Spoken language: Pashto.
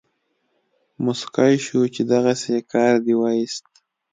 موسکی شو چې دغسې کار دې وایست.